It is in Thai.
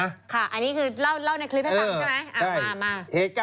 อันนี้คือเล่าในคลิปให้ฟังใช่ไหม